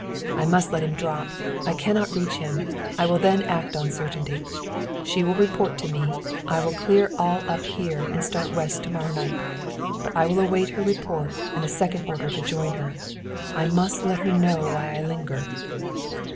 "I must let him drop! I cannot reach him. I will then act on a certainty. She will report to me. I will clear all up here and start West to morrow night. But I will await her report and a second order to join her. I must let her know why I linger."